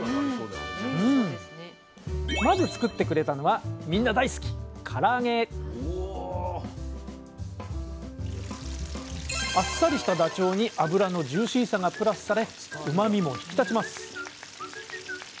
まず作ってくれたのはみんな大好きあっさりしたダチョウに油のジューシーさがプラスされうまみも引き立ちます。